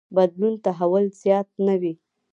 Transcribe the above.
بدلون تحول زیات نه وي.